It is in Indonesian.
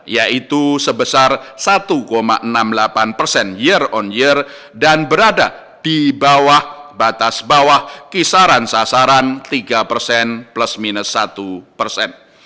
yaitu sebesar satu enam puluh delapan persen year on year dan berada di bawah batas bawah kisaran sasaran tiga persen plus minus satu persen